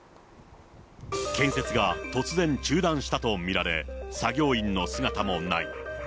建設が突然中断したと見られ、作業員の姿もない。